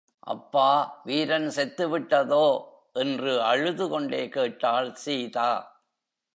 அப்பா, வீரன் செத்துவிட்டதோ! என்று அழுது கொண்டே கேட்டாள் சீதா.